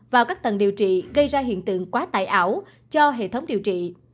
vào các tầng điều trị gây ra hiện tượng quá tài ảo cho hệ thống điều trị